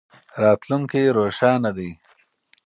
راتلونکی روښانه دی.